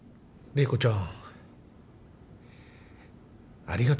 ・麗子ちゃん？